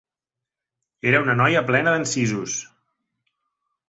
Era una noia plena d'encisos!